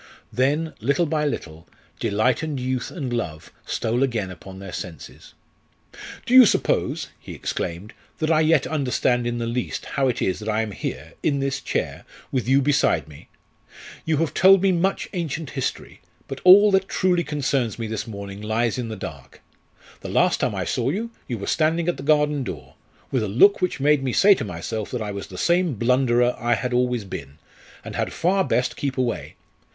Then, little by little, delight and youth and love stole again upon their senses. "Do you suppose," he exclaimed, "that I yet understand in the least how it is that I am here, in this chair, with you beside me? You have told me much ancient history! but all that truly concerns me this morning lies in the dark. The last time I saw you, you were standing at the garden door, with a look which made me say to myself that I was the same blunderer I had always been, and had far best keep away.